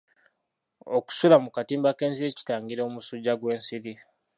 Okusula mu katimba k'ensiri kitangira omusujja gw'ensiri.